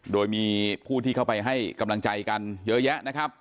โดยมีผู้ที่เข้าไปให้กำลังใจกันเยอะแยะนะครับ